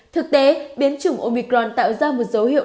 thực tế biến chủng omicron tạo ra một dấu hiệu